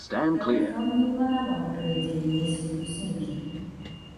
Тады фонд не планаваў правядзенне місіі ў снежні.